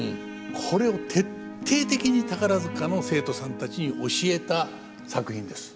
これを徹底的に宝塚の生徒さんたちに教えた作品です。